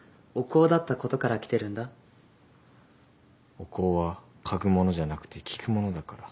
お香は嗅ぐものじゃなくて聞くものだから。